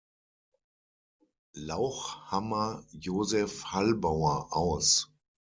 Lauchhammer Joseph Hallbauer aus.